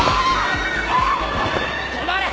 止まれ！